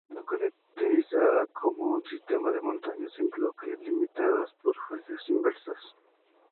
Ha sido caracterizada como un sistema de montañas en bloque, limitadas por fallas inversas.